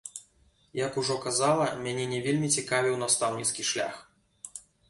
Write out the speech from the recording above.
Як ужо казала, мяне не вельмі цікавіў настаўніцкі шлях.